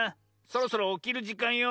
そろそろおきるじかんよ。